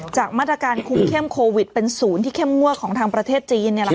จากมาตรการคุมเข้มโควิดเป็นศูนย์ที่เข้มงวดของทางประเทศจีน